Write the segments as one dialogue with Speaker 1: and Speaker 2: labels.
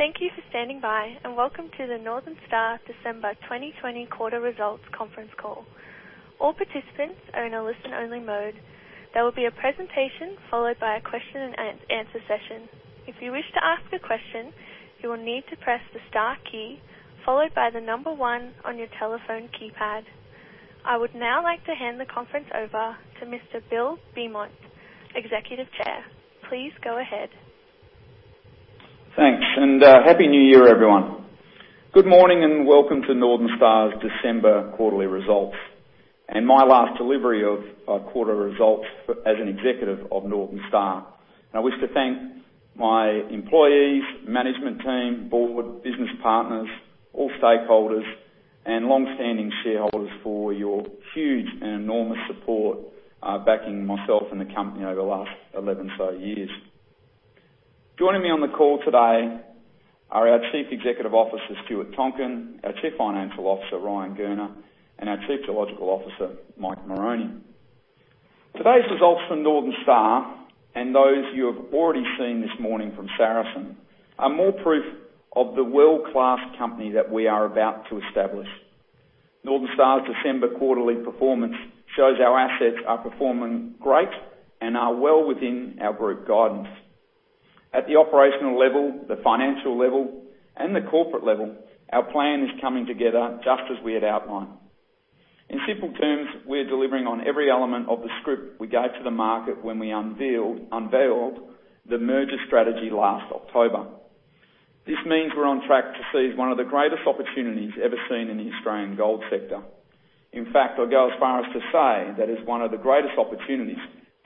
Speaker 1: Thank you for standing by and welcome to the Northern Star December 2020 quarter results conference call. All participants are in a listen only mode. There will be a presentation followed by a question and answer session. If you wish to ask a question, you will need to press the star key followed by the number one on your telephone keypad. I would now like to hand the conference over to Mr. Bill Beament, Executive Chair. Please go ahead.
Speaker 2: Thanks, and happy New Year, everyone. Good morning, and welcome to Northern Star's December quarterly results, and my last delivery of quarter results as an executive of Northern Star. I wish to thank my employees, management team, board, business partners, all stakeholders, and longstanding shareholders for your huge and enormous support backing myself and the company over the last 11 or so years. Joining me on the call today are our Chief Executive Officer, Stuart Tonkin, our Chief Financial Officer, Ryan Gurner, and our Chief Geological Officer, Mike Mulroney. Today's results from Northern Star, and those you have already seen this morning from Saracen, are more proof of the world-class company that we are about to establish. Northern Star's December quarterly performance shows our assets are performing great and are well within our group guidance. At the operational level, the financial level, and the corporate level, our plan is coming together just as we had outlined. In simple terms, we're delivering on every element of the script we gave to the market when we unveiled the merger strategy last October. This means we're on track to seize one of the greatest opportunities ever seen in the Australian gold sector. In fact, I'll go as far as to say that is one of the greatest opportunities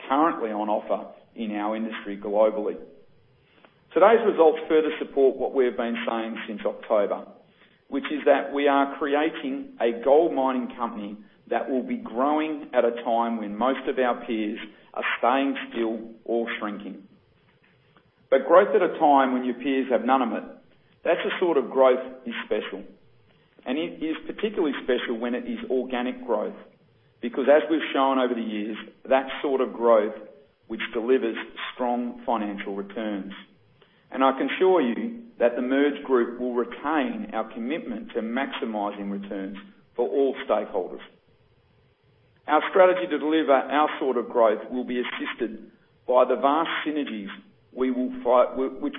Speaker 2: currently on offer in our industry globally. Today's results further support what we have been saying since October, which is that we are creating a gold mining company that will be growing at a time when most of our peers are staying still or shrinking. Growth at a time when your peers have none of it, that's the sort of growth is special, and it is particularly special when it is organic growth. As we've shown over the years, that sort of growth, which delivers strong financial returns. I can assure you that the merged group will retain our commitment to maximizing returns for all stakeholders. Our strategy to deliver our sort of growth will be assisted by the vast synergies which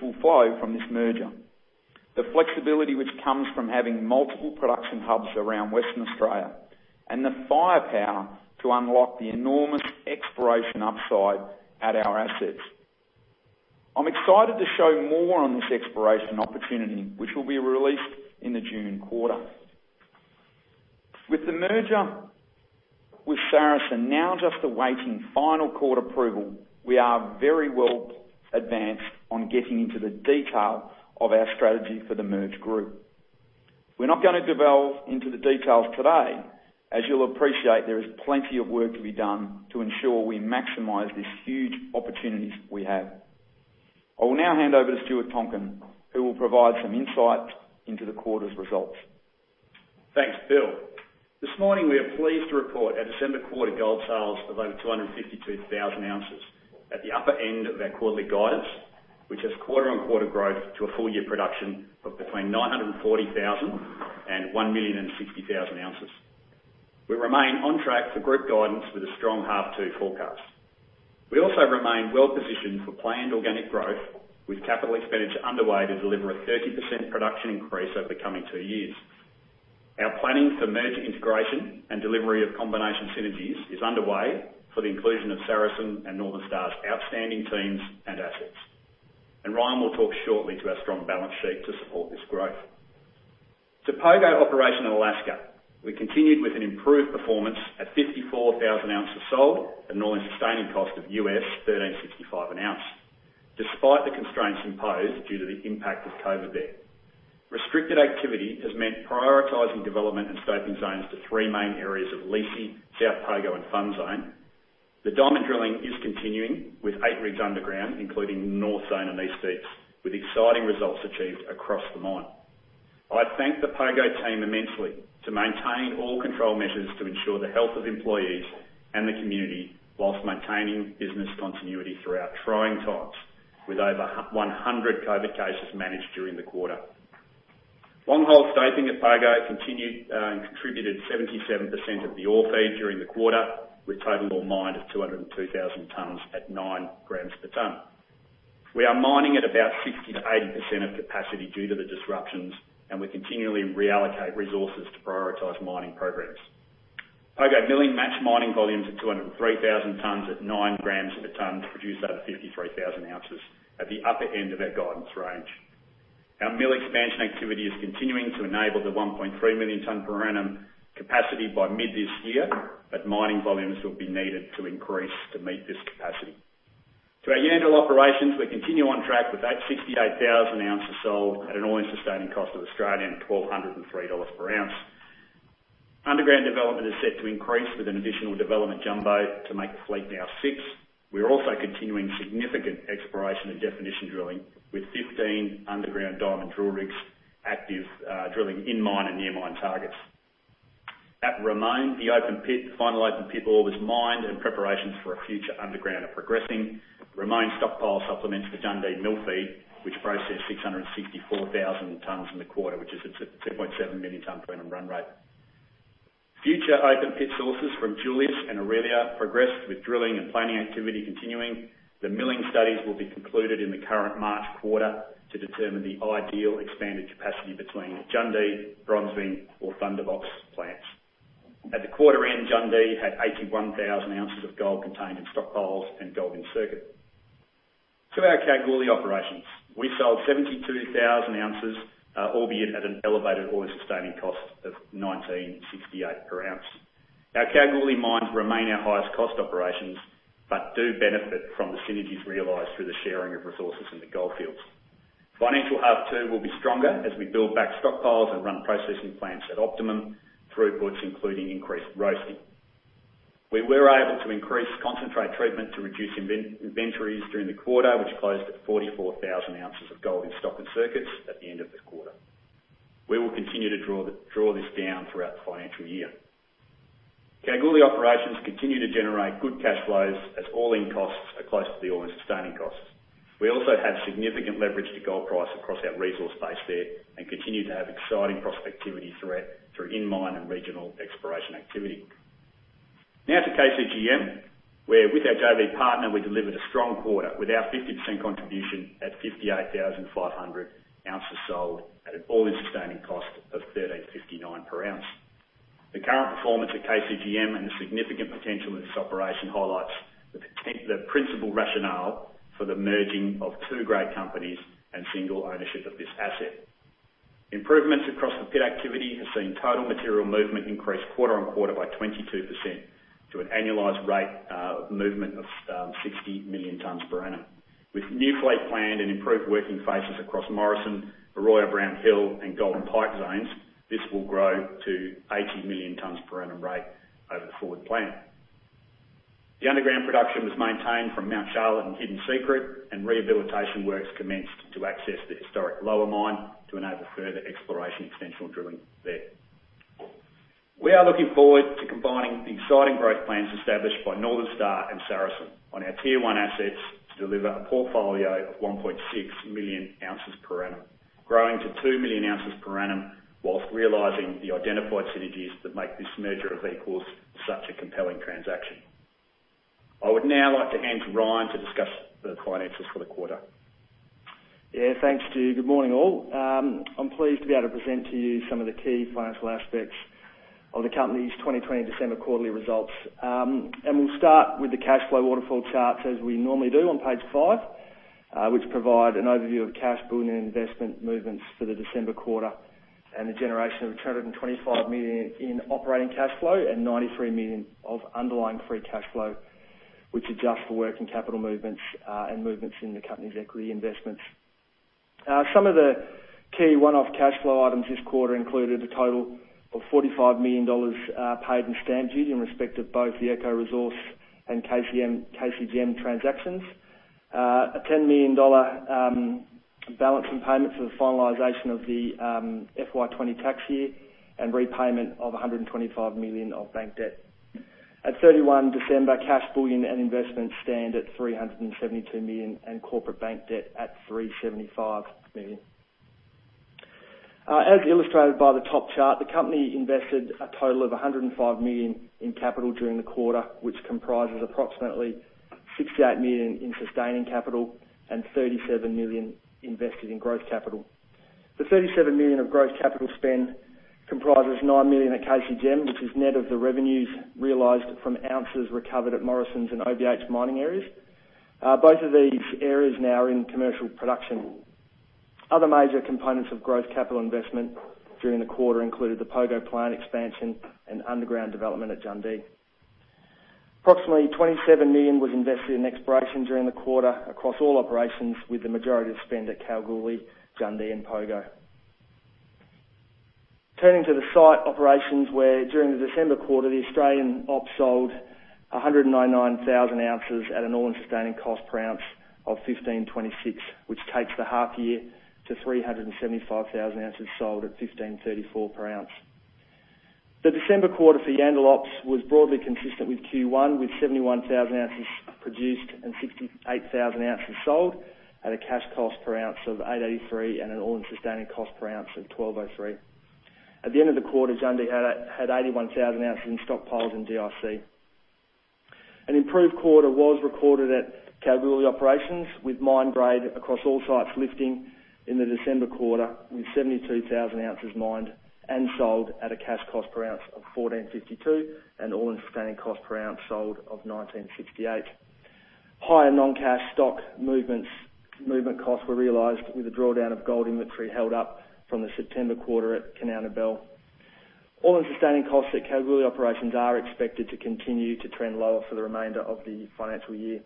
Speaker 2: will flow from this merger. The flexibility which comes from having multiple production hubs around Western Australia, and the firepower to unlock the enormous exploration upside at our assets. I'm excited to show more on this exploration opportunity, which will be released in the June quarter. With the merger with Saracen now just awaiting final court approval, we are very well advanced on getting into the detail of our strategy for the merged group. We're not going to delve into the details today. As you'll appreciate, there is plenty of work to be done to ensure we maximize these huge opportunities we have. I will now hand over to Stuart Tonkin, who will provide some insight into the quarter's results.
Speaker 3: Thanks, Bill. This morning, we are pleased to report our December quarter gold sales of over 252,000 oz at the upper end of our quarterly guidance, which is quarter-on-quarter growth to a full year production of between 940,000 oz and 1,060,000 oz. We remain on track for group guidance with a strong half two forecast. We also remain well-positioned for planned organic growth with capital expenditure underway to deliver a 30% production increase over the coming two years. Our planning for merge integration and delivery of combination synergies is underway for the inclusion of Saracen and Northern Star's outstanding teams and assets. Ryan will talk shortly to our strong balance sheet to support this growth. To Pogo Operation in Alaska, we continued with an improved performance at 54,000 oz sold at an all-in sustaining cost of $1,365 an ounce, despite the constraints imposed due to the impact of COVID there. Restricted activity has meant prioritizing development and stoping zones to three main areas of Liese, South Pogo, and Fun Zone. The diamond drilling is continuing with eight rigs underground, including North Zone and East Deep, with exciting results achieved across the mine. I thank the Pogo team immensely to maintain all control measures to ensure the health of employees and the community whilst maintaining business continuity throughout trying times with over 100 COVID cases managed during the quarter. Long hole stoping at Pogo continued, and contributed 77% of the ore feed during the quarter, with total ore mined of 202,000 tonnes at 9 g/t. We are mining at about 60%-80% of capacity due to the disruptions, and we continually reallocate resources to prioritize mining programs. Pogo milling matched mining volumes of 203,000 tonnes at 9 g/t to produce over 53,000 oz at the upper end of our guidance range. Our mill expansion activity is continuing to enable the 1.3 million tonne per annum capacity by mid this year, mining volumes will be needed to increase to meet this capacity. To our Yandal operations, we continue on track with that 68,000 oz sold at an all-in sustaining cost of 1,203 Australian dollars/oz. Underground development is set to increase with an additional development jumbo to make the fleet now six. We are also continuing significant exploration and definition drilling with 15 underground diamond drill rigs active, drilling in mine and near mine targets. At Ramone, the open pit, final open pit ore was mined in preparation for a future underground are progressing. Ramone stockpile supplements for Jundee mill feed, which processed 664,000 tonnes in the quarter, which is a 2.7 million tonne per annum run rate. Future open pit sources from Julius and Orelia progressed with drilling and planning activity continuing. The milling studies will be concluded in the current March quarter to determine the ideal expanded capacity between Jundee, Bronzewing, or Thunderbox plants. At the quarter end, Jundee had 81,000 oz of gold contained in stockpiles and gold in circuit. To our Kalgoorlie operations. We sold 72,000 oz, albeit at an elevated all-in sustaining cost of 1,968/oz. Our Kalgoorlie mines remain our highest cost operations, but do benefit from the synergies realized through the sharing of resources in the goldfields. Financial half two will be stronger as we build back stockpiles and run processing plants at optimum throughputs, including increased roasting. We were able to increase concentrate treatment to reduce inventories during the quarter, which closed at 44,000 oz of gold in stock and circuits at the end of the quarter. We will continue to draw this down throughout the financial year. Kalgoorlie Operations continue to generate good cash flows as all-in costs are close to the all-in sustaining costs. We also have significant leverage to gold price across our resource base there and continue to have exciting prospectivity through in-mine and regional exploration activity. Now to KCGM, where with our JV partner, we delivered a strong quarter with our 50% contribution at 58,500 oz sold at an all-in sustaining cost of 1,359/oz. The current performance at KCGM and the significant potential of this operation highlights the principle rationale for the merging of two great companies and single ownership of this asset. Improvements across the pit activity has seen total material movement increase quarter-on-quarter by 22% to an annualized rate of movement of 60 million tonnes per annum. With new fleet planned and improved working phases across Morrison, Oroya Brownhill, and Golden Pike zones, this will grow to 80 million tonnes per annum rate over the forward plan. The underground production was maintained from Mount Charlotte and Hidden Secret, and rehabilitation works commenced to access the historic lower mine to enable further exploration, extension, and drilling there. We are looking forward to combining the exciting growth plans established by Northern Star and Saracen on our tier 1 assets to deliver a portfolio of 1.6 million oz per annum, growing to 2 million oz per annum whilst realizing the identified synergies that make this merger of equals such a compelling transaction. I would now like to hand to Ryan to discuss the finances for the quarter.
Speaker 4: Yeah. Thanks, Stu. Good morning, all. I'm pleased to be able to present to you some of the key financial aspects of the company's 2020 December quarterly results. We'll start with the cash flow waterfall charts as we normally do on page five, which provide an overview of cash, bullion, and investment movements for the December quarter and the generation of 325 million in operating cash flow and 93 million of underlying free cash flow, which adjust for working capital movements and movements in the company's equity investments. Some of the key one-off cash flow items this quarter included a total of 45 million dollars paid in stamp duty in respect of both the Echo Resources and KCGM transactions. A 10 million dollar balancing payment for the finalization of the FY 2020 tax year and repayment of 125 million of bank debt. At 31 December, cash, bullion, and investments stand at 372 million, and corporate bank debt at 375 million. As illustrated by the top chart, the company invested a total of 105 million in capital during the quarter, which comprises approximately 68 million in sustaining capital and 37 million invested in growth capital. The 37 million of growth capital spend comprises 9 million at KCGM, which is net of the revenues realized from ounces recovered at Morrison and OBH mining areas. Both of these areas now are in commercial production. Other major components of growth capital investment during the quarter included the Pogo plant expansion and underground development at Jundee. Approximately 27 million was invested in exploration during the quarter across all operations, with the majority of spend at Kalgoorlie, Jundee, and Pogo. Turning to the site operations, where during the December quarter, the Australian ops sold 199,000 oz at an all-in sustaining cost per ounce of 1,526, which takes the half year to 375,000 oz sold at 1,534/oz. The December quarter for Yandal ops was broadly consistent with Q1, with 71,000 oz produced and 68,000 oz sold at a cash cost per ounce of 883 and an all-in sustaining cost per ounce of 1,203. At the end of the quarter, Jundee had 81,000 oz in stockpiles and GIC. An improved quarter was recorded at Kalgoorlie Operations, with mine grade across all sites lifting in the December quarter, with 72,000 ozmined and sold at a cash cost per ounce of 1,452 and all-in sustaining cost per ounce sold of 1,968. Higher non-cash stock movement costs were realized with the drawdown of gold inventory held up from the September quarter at Kanowna Belle. All-in sustaining costs at Kalgoorlie operations are expected to continue to trend lower for the remainder of the financial year.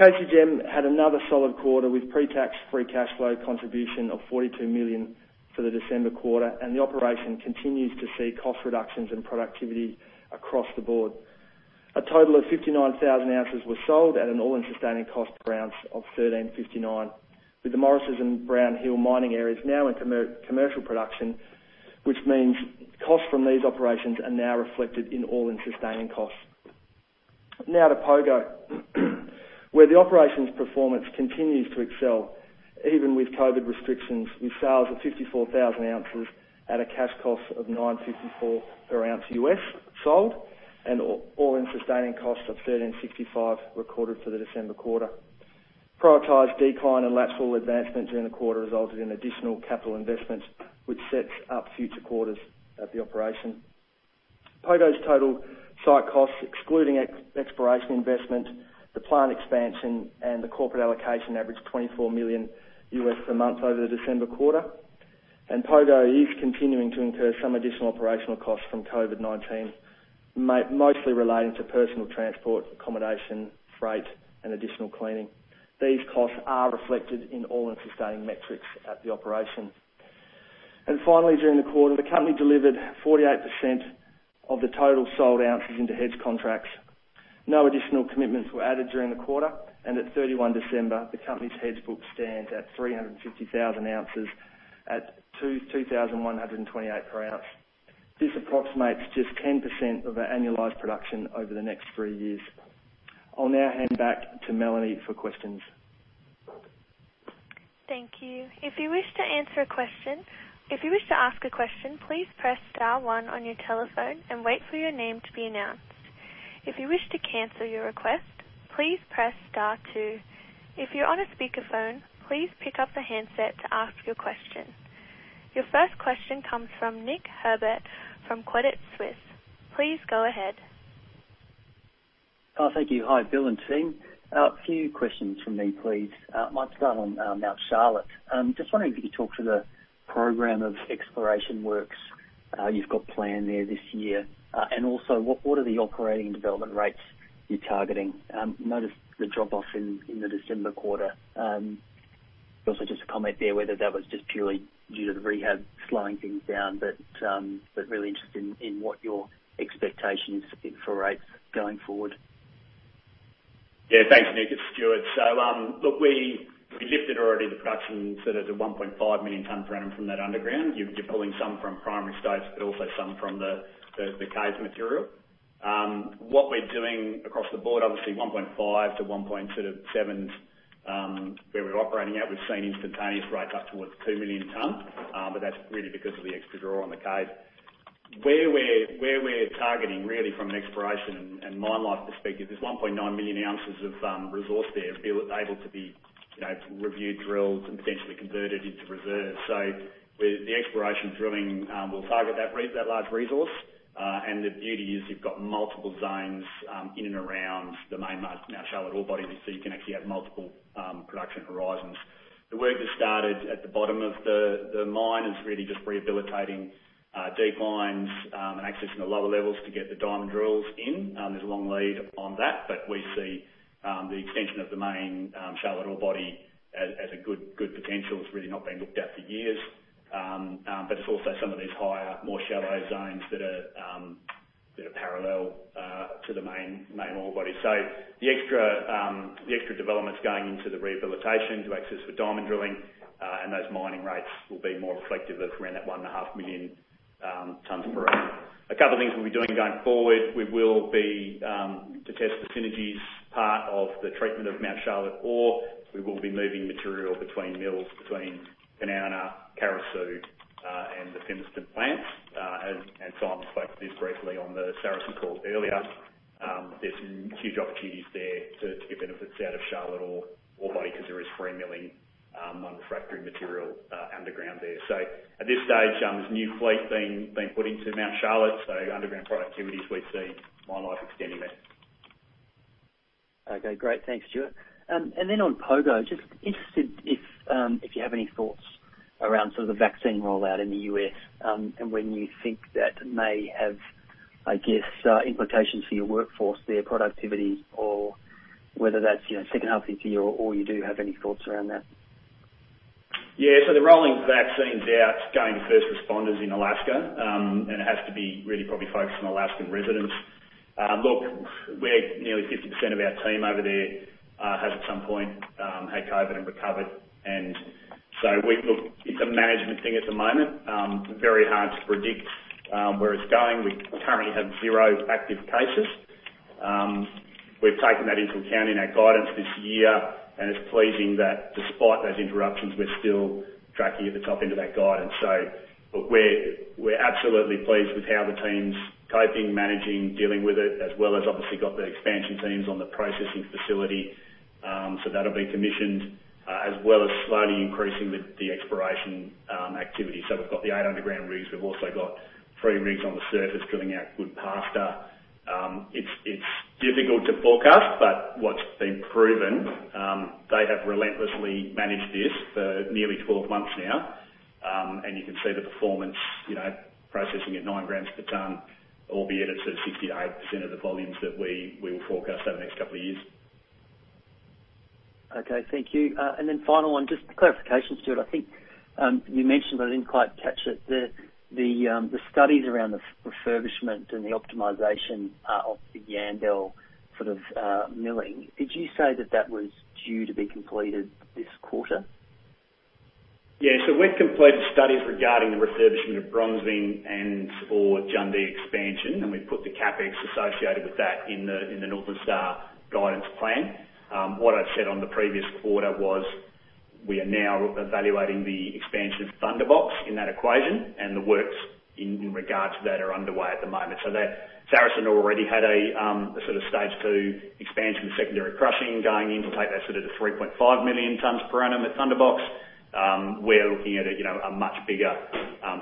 Speaker 4: KCGM had another solid quarter with pre-tax free cash flow contribution of 42 million for the December quarter. The operation continues to see cost reductions and productivity across the board. A total of 59,000 oz were sold at an all-in sustaining cost per ounce of 1,359. With the Morrison and Brownhill mining areas now in commercial production, which means costs from these operations are now reflected in all-in sustaining costs. Now to Pogo, where the operations performance continues to excel even with COVID restrictions, with sales of 54,000 oz at a cash cost of $954/oz sold and all-in sustaining costs of $1,365 recorded for the December quarter. Prioritized decline and lateral advancement during the quarter resulted in additional capital investments, which sets up future quarters at the operation. Pogo's total site costs, excluding exploration investment, the plant expansion, and the corporate allocation average $24 million per month over the December quarter. Pogo is continuing to incur some additional operational costs from COVID-19, mostly relating to personal transport, accommodation, freight, and additional cleaning. These costs are reflected in all-in sustaining metrics at the operation. Finally, during the quarter, the company delivered 48% of the total sold ounces into hedge contracts. No additional commitments were added during the quarter, and at 31 December, the company's hedge book stands at 350,000 oz at AUD 2,128/oz. This approximates just 10% of our annualized production over the next three years. I'll now hand back to Melanie for questions.
Speaker 1: Thank you. If you wish to answer a question. If you wish to ask a question, please press star one on your telephone and wait for your name to be announced. If you wish to cancel your request, please press star two. If you're on a speakerphone, please pick up the handset to ask your question. Your first question comes from Nick Herbert from Credit Suisse. Please go ahead.
Speaker 5: Thank you. Hi, Bill and team. A few questions from me, please. Might start on Mount Charlotte. I am just wondering if you could talk to the program of exploration works you have got planned there this year. What are the operating development rates you are targeting? Noticed the drop-off in the December quarter. Just a comment there, whether that was just purely due to the rehab slowing things down, really interested in what your expectation is for rates going forward.
Speaker 3: Thanks, Nick. It's Stuart. Look, we lifted already the production, so there's a 1.5 million tonnes per annum from that underground. You're pulling some from primary stopes, but also some from the cave material. What we're doing across the board, obviously 1.5 million-1.7 million is where we're operating at. We've seen instantaneous rates up towards 2 million tonnes. That's really because of the extra draw on the cave. Where we're targeting really from an exploration and mine life perspective, there's 1.9 million oz of resource there, Bill, that's able to be reviewed, drilled, and potentially converted into reserves. The exploration drilling will target that large resource. The beauty is you've got multiple zones in and around the main Mount Charlotte ore body, so you can actually have multiple production horizons. The work that started at the bottom of the mine is really just rehabilitating declines and accessing the lower levels to get the diamond drills in. There's a long lead on that, we see the extension of the main Charlotte ore body as a good potential. It's really not been looked at for years. It's also some of these higher, more shallow zones that are parallel to the main ore body. The extra development is going into the rehabilitation to access for diamond drilling, and those mining rates will be more reflective of around that 1.5 million tonnes per annum. A couple of things we'll be doing going forward, to test the synergies part of the treatment of Mount Charlotte ore, we will be moving material between mills, between Kanowna, Carosue, and the Fimiston plants. Simon spoke to this briefly on the Saracen call earlier. There's some huge opportunities there to get benefits out of Charlotte ore body because there is free milling non-refractory material underground there. At this stage, there's a new fleet being put into Mount Charlotte, so underground productivities, we see mine life extending there.
Speaker 5: Okay, great. Thanks, Stuart. On Pogo, just interested if you have any thoughts around the vaccine rollout in the U.S., when you think that may have, I guess, implications for your workforce, their productivity or whether that's second half of this year, or you do have any thoughts around that?
Speaker 3: Yeah. The rolling of vaccines out is going to first responders in Alaska, and it has to be really probably focused on Alaskan residents. Look, nearly 50% of our team over there has, at some point, had COVID and recovered. Look, it's a management thing at the moment. Very hard to predict where it's going. We currently have zero active cases. We've taken that into account in our guidance this year, and it's pleasing that despite those interruptions, we're still tracking at the top end of that guidance. Look, we're absolutely pleased with how the team's coping, managing, dealing with it, as well as obviously got the expansion teams on the processing facility. That'll be commissioned, as well as slowly increasing the exploration activity. We've got the eight underground rigs. We've also got three rigs on the surface drilling out Goodpaster. It's difficult to forecast, but what's been proven, they have relentlessly managed this for nearly 12 months now. You can see the performance, processing at nine grams per ton, albeit it's at 68% of the volumes that we will forecast over the next couple of years.
Speaker 5: Okay. Thank you. Final one, just a clarification, Stuart. I think you mentioned, but I didn't quite catch it, the studies around the refurbishment and the optimization of the Yandal sort of milling. Did you say that that was due to be completed this quarter?
Speaker 3: Yeah. We've completed studies regarding the refurbishment of Bronzewing and/or Jundee expansion, and we've put the CapEx associated with that in the Northern Star guidance plan. What I said on the previous quarter was we are now evaluating the expansion of Thunderbox in that equation, and the works in regard to that are underway at the moment. Saracen already had a sort of stage 2 expansion, secondary crushing going in to take that sort of to 3.5 million tonnes per annum at Thunderbox. We're looking at a much bigger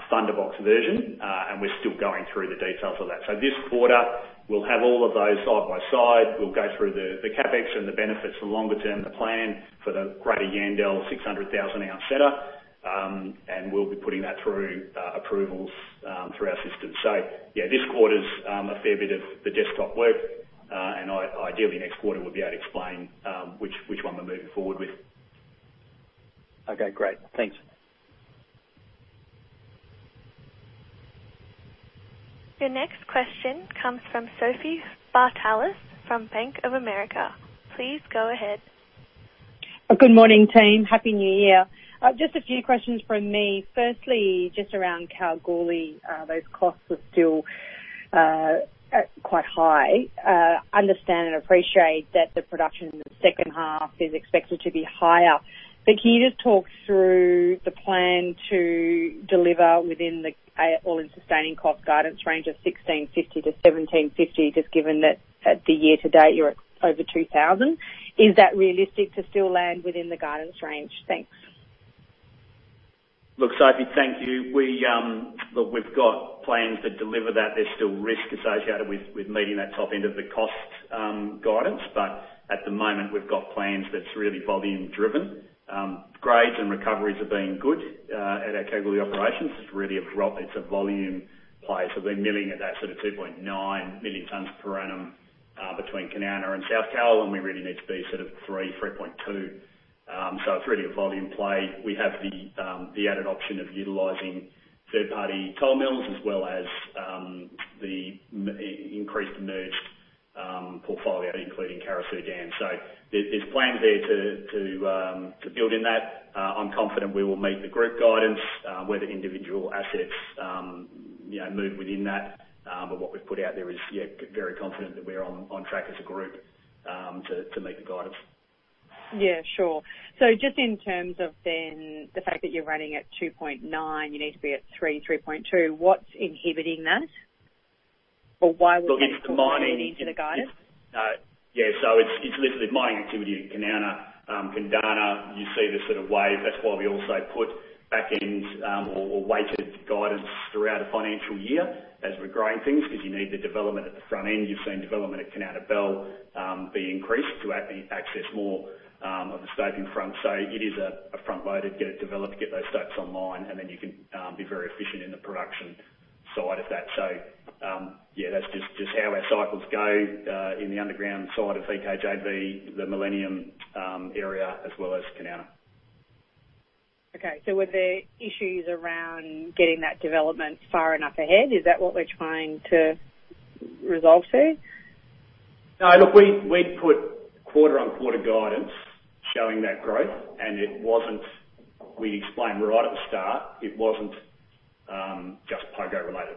Speaker 3: Thunderbox version, and we're still going through the details of that. This quarter, we'll have all of those side by side. We'll go through the CapEx and the benefits for longer term, the plan for the greater Yandal 600,000 oz setter, and we'll be putting that through approvals through our systems. This quarter's a fair bit of the desktop work, and ideally next quarter we'll be able to explain which one we're moving forward with.
Speaker 5: Okay, great. Thanks.
Speaker 1: Your next question comes from Sophie Spartalis from Bank of America. Please go ahead.
Speaker 6: Good morning, team. Happy New Year. Just a few questions from me. Firstly, just around Kalgoorlie, those costs were still quite high. Understand and appreciate that the production in the second half is expected to be higher, but can you just talk through the plan to deliver within the all-in sustaining cost guidance range of 1,650-1,750, just given that at the year to date, you're at over 2,000? Is that realistic to still land within the guidance range? Thanks.
Speaker 3: Look, Sophie, thank you. We've got plans to deliver that. There's still risk associated with meeting that top end of the cost guidance. At the moment, we've got plans that's really volume driven. Grades and recoveries have been good at our Kalgoorlie Operations. It's really a volume play. We're milling at that sort of 2.9 million tonnes per annum, between Kanowna and South Kalgoorlie, and we really need to be sort of 3.2 million. It's really a volume play. We have the added option of utilizing third-party toll mills as well as the increased merged portfolio, including Carosue Dam. There's plans there to build in that. I'm confident we will meet the group guidance, whether individual assets move within that. What we've put out there is, yeah, very confident that we're on track as a group to meet the guidance.
Speaker 6: Yeah, sure. Just in terms of then the fact that you're running at 2.9 million, you need to be at 3 million, 3.2 million. What's inhibiting that?
Speaker 3: Look, it's the mining.
Speaker 6: Be needing to the guidance?
Speaker 3: It's literally mining activity at Kanowna. You see the sort of wave. That's why we also put back ends or weighted guidance throughout a financial year as we're growing things, because you need the development at the front end. You've seen development at Kanowna Belle be increased to access more of the stoping front. It is a front-loaded, get it developed, get those stopes online, and then you can be very efficient in the production side of that. That's just how our cycles go in the underground side of EKJV, the Millennium area, as well as Kanowna.
Speaker 6: Okay. Were there issues around getting that development far enough ahead? Is that what we're trying to resolve there?
Speaker 3: Look, we put quarter on quarter guidance showing that growth. We explained right at the start, it wasn't just Pogo related.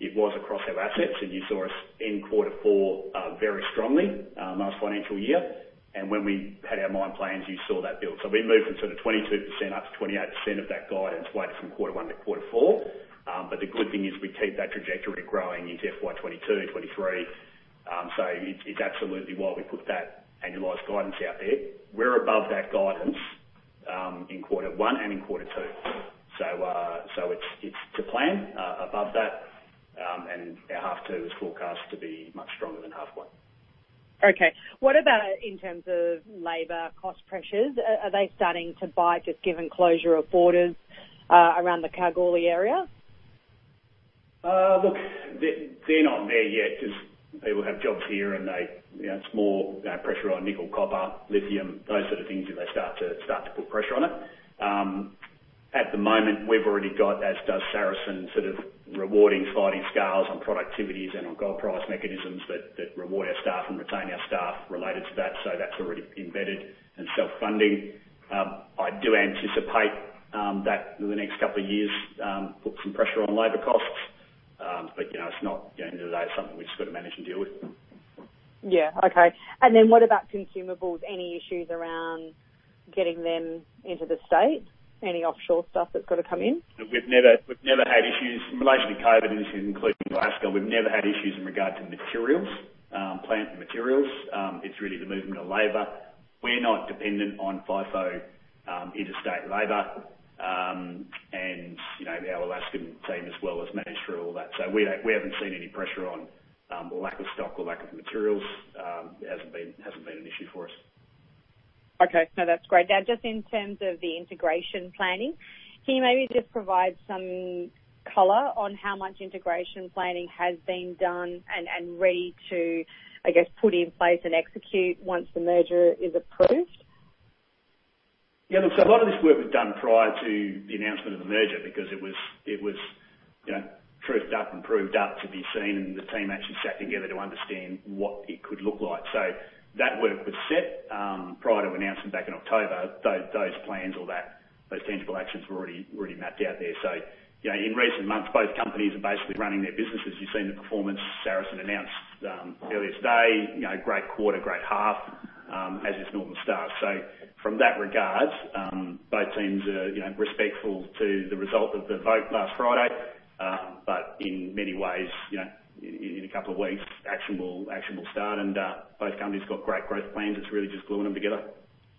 Speaker 3: It was across our assets. You saw us end quarter four very strongly, last financial year. When we had our mine plans, you saw that build. We moved from sort of 22% up to 28% of that guidance weighted from quarter one to quarter four. The good thing is we keep that trajectory growing into FY 2022, 2023. It's absolutely why we put that annualized guidance out there. We're above that guidance in quarter one and in quarter two. It's to plan above that. Our half two is forecast to be much stronger than half one.
Speaker 6: Okay. What about in terms of labor cost pressures? Are they starting to bite just given closure of borders around the Kalgoorlie area?
Speaker 3: Look, they're not there yet because people have jobs here and it's more pressure on nickel, copper, lithium, those sort of things if they start to put pressure on it. At the moment, we've already got, as does Saracen, sort of rewarding sliding scales on productivities and on gold price mechanisms that reward our staff and retain our staff related to that. That's already embedded and self-funding. I do anticipate that over the next couple of years, put some pressure on labor costs. It's not end of the day something we've just got to manage and deal with.
Speaker 6: Yeah. Okay. What about consumables? Any issues around getting them into the state? Any offshore stuff that's got to come in?
Speaker 3: We've never had issues in relation to COVID and this is including Alaska. We've never had issues in regard to materials, plant and materials. It's really the movement of labor. We're not dependent on FIFO interstate labor. Our Alaskan team as well has managed through all that. We haven't seen any pressure on lack of stock or lack of materials. It hasn't been an issue for us.
Speaker 6: Okay. No, that's great. Just in terms of the integration planning, can you maybe just provide some color on how much integration planning has been done and ready to, I guess, put in place and execute once the merger is approved?
Speaker 3: Look, a lot of this work was done prior to the announcement of the merger because it was truthed up and proved up to be seen and the team actually sat together to understand what it could look like. That work was set, prior to announcement back in October. Those plans or those tangible actions were already mapped out there. In recent months, both companies are basically running their businesses. You've seen the performance Saracen announced earlier today, great quarter, great half, as is Northern Star. From that regard, both teams are respectful to the result of the vote last Friday. In many ways, in a couple of weeks, action will start and both companies have got great growth plans. It's really just gluing them together.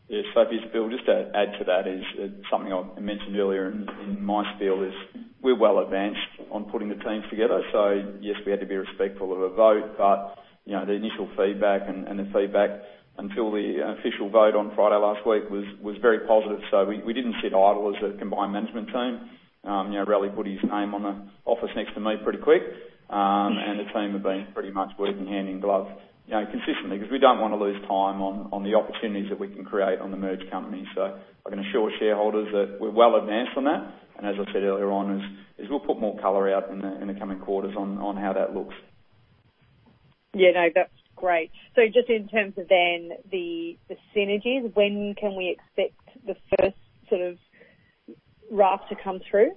Speaker 2: Yes. Just, Bill, just to add to that is something I mentioned earlier in my spiel is we're well advanced on putting the teams together. Yes, we had to be respectful of a vote, but the initial feedback and the feedback until the official vote on Friday last week was very positive. We didn't sit idle as a combined management team. Raleigh put his name on the office next to me pretty quick. The team have been pretty much working hand in glove consistently because we don't want to lose time on the opportunities that we can create on the merged company. I can assure shareholders that we're well advanced on that. As I said earlier on, is we'll put more color out in the coming quarters on how that looks.
Speaker 6: Yeah, no. That's great. Just in terms of then the synergies, when can we expect the first sort of raft to come through?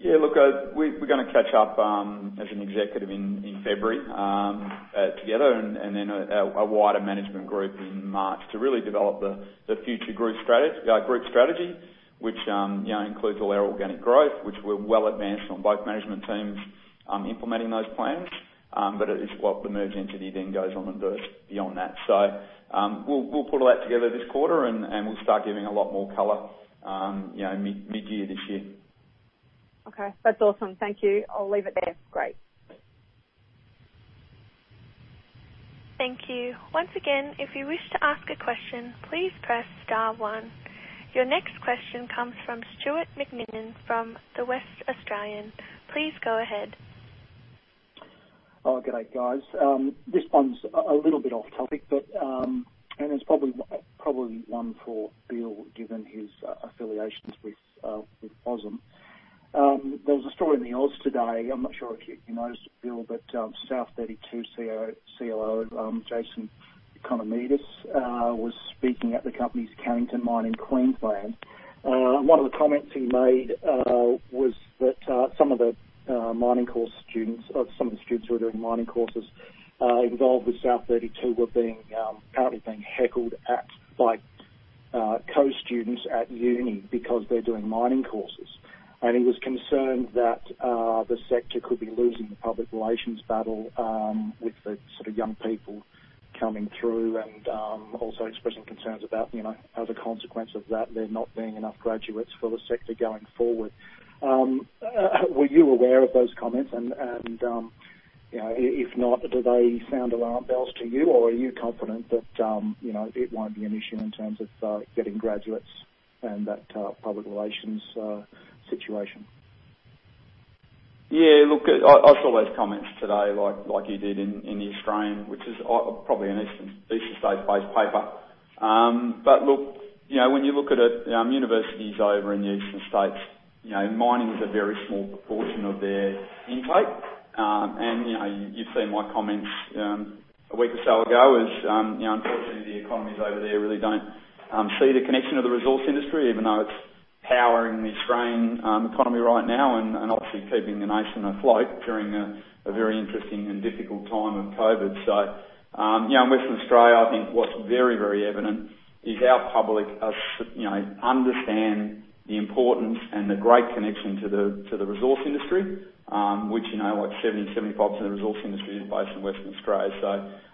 Speaker 2: Yeah, look, we're gonna catch up, as an executive in February, together and then a wider management group in March to really develop the future group strategy, which includes all our organic growth, which we're well advanced on both management teams, implementing those plans. It is what the merged entity then goes on and does beyond that. We'll put all that together this quarter and we'll start giving a lot more color mid-year this year.
Speaker 6: Okay. That's awesome. Thank you. I'll leave it there. Great.
Speaker 1: Thank you. Once again, if you wish to ask a question, please press star one. Your next question comes from Stuart McKinnon from The West Australian. Please go ahead.
Speaker 7: Good day, guys. This one's a little bit off-topic, and it's probably one for Bill, given his affiliations with WASM. There was a story in the Oz today. I'm not sure if you noticed, Bill, but South32 COO, Jason Economidis, was speaking at the company's Cannington mine in Queensland. One of the comments he made, was that, some of the mining course students or some of the students who are doing mining courses, involved with South32 were apparently being heckled at by co-students at uni because they're doing mining courses. He was concerned that the sector could be losing the public relations battle, with the sort of young people coming through and, also expressing concerns about, as a consequence of that, there not being enough graduates for the sector going forward. Were you aware of those comments and, if not, do they sound alarm bells to you? Are you confident that it won't be an issue in terms of getting graduates and that public relations situation?
Speaker 2: Yeah, look, I saw those comments today like you did in The Australian, which is probably an eastern state-based paper. Look, when you look at it, universities over in the eastern states, mining is a very small proportion of their intake. You've seen my comments, a week or so ago is, unfortunately, the economies over there really don't see the connection to the resource industry, even though it's powering the Australian economy right now and obviously keeping the nation afloat during a very interesting and difficult time of COVID. In Western Australia, I think what's very, very evident is our public understand the importance and the great connection to the resource industry, which, like 75% of the resource industry is based in Western Australia.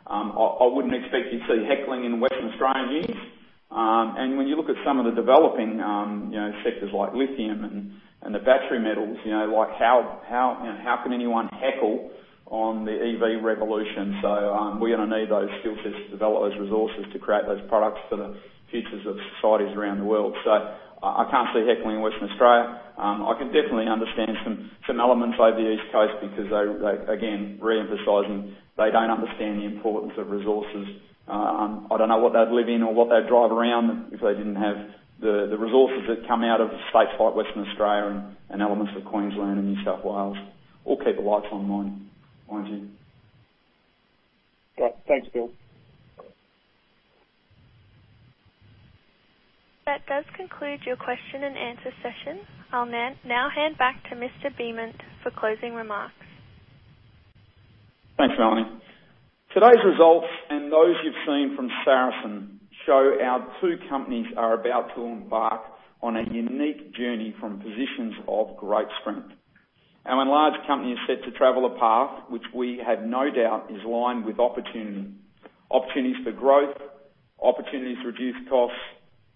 Speaker 2: I wouldn't expect to see heckling in Western Australian unis. When you look at some of the developing sectors like lithium and the battery metals, like how can anyone heckle on the EV revolution? We're gonna need those skill sets to develop those resources to create those products for the futures of societies around the world. I can't see heckling in Western Australia. I can definitely understand some elements over the East Coast because they, again, re-emphasizing they don't understand the importance of resources. I don't know what they'd live in or what they'd drive around if they didn't have the resources that come out of states like Western Australia and elements of Queensland and New South Wales. All keep the lights on mining.
Speaker 7: Great. Thanks, Bill.
Speaker 1: That does conclude your question and answer session. I'll now hand back to Mr. Beament for closing remarks.
Speaker 2: Thanks, Melanie. Today's results, and those you've seen from Saracen, show our two companies are about to embark on a unique journey from positions of great strength. Our enlarged company is set to travel a path which we have no doubt is lined with opportunity. Opportunities for growth, opportunities to reduce costs,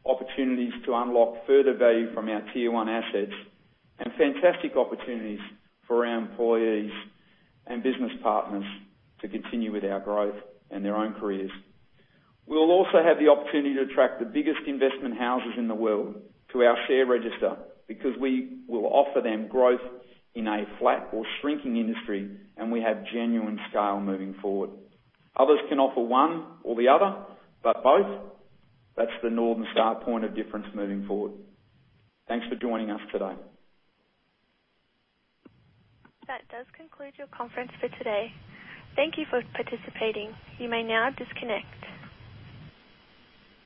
Speaker 2: opportunities to unlock further value from our tier one assets, and fantastic opportunities for our employees and business partners to continue with our growth and their own careers. We will also have the opportunity to attract the biggest investment houses in the world to our share register because we will offer them growth in a flat or shrinking industry, and we have genuine scale moving forward. Others can offer one or the other, but both? That's the Northern Star point of difference moving forward. Thanks for joining us today.
Speaker 1: That does conclude your conference for today. Thank you for participating. You may now disconnect.